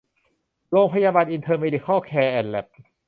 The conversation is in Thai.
โรงพยาบาลอินเตอร์เมดิคัล แคร์ แอนด์ แล็บ